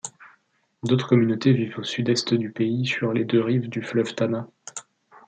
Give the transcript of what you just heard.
D'autres communautés vivent au sud-est du pays, sur les deux rives du fleuve Tana.